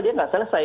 dia gak selesai